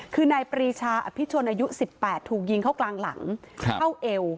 คือนายปรีชาอภิชนอายุ๑๘ถูกยิงเข้ากลางหลังเข้าเอว